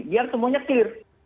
biar semuanya clear